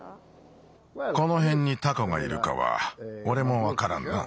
このへんにタコがいるかはおれもわからんな。